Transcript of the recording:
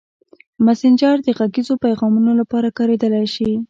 مسېنجر د غږیزو پیغامونو لپاره کارېدلی شي.